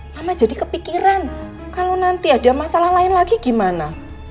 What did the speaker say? mama jadi kepikiran kalau nanti ada masalah lain lagi gimana